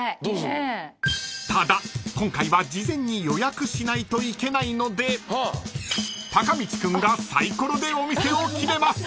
［ただ今回は事前に予約しないといけないのでたかみち君がさいころでお店を決めます］